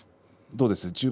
どうですか？